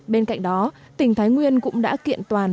bên cạnh đó tỉnh thái nguyên cũng đã kiện toàn